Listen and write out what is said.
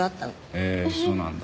へえそうなんだ。